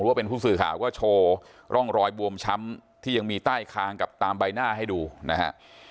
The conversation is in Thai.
ว่าเป็นผู้สื่อข่าวก็โชว์ร่องรอยบวมช้ำที่ยังมีใต้คางกับตามใบหน้าให้ดูนะฮะ